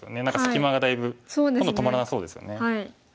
何か隙間がだいぶ今度止まらなそうですよね。